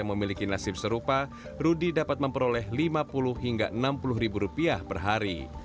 yang memiliki nasib serupa rudy dapat memperoleh lima puluh hingga enam puluh ribu rupiah per hari